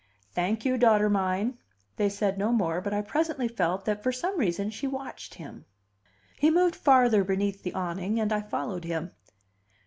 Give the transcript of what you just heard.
"Thank you, daughter mine." They said no more; but I presently felt that for some reason she watched him. He moved farther beneath the awning, and I followed him.